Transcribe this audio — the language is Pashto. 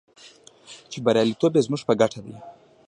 چې بریالیتوب یې زموږ په ګټه دی.